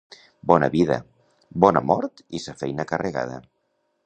Bona vida, bona mort i sa feina carregada.